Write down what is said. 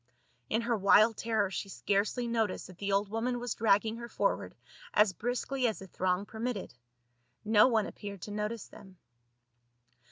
In her wild terror she scarcely noticed that the old woman was dragging her forward as briskly as the throng permitted. No one appeared to notice them.